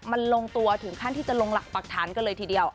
มันลงตัวถึงขั้นที่จะลงหลักปรักฐานกันเลยทีเดียว